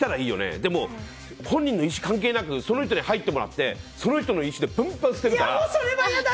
でも本人の意思関係なくその人に入ってもらってその人の意思でバンバン捨てるから。